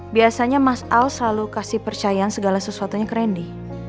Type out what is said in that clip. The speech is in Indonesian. biasanya mas al selalu kasih percayaan segala sesuatunya kerendy